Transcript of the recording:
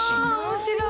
面白い！